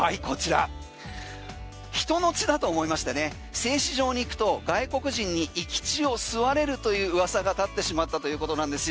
人の血だと思いまして製糸場に行くと外国人に生き血を吸われるという噂がたってしまったということななんです。